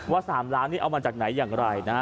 ๓ล้านนี่เอามาจากไหนอย่างไรนะฮะ